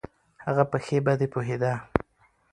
هغه په ښې بدې پوهېده.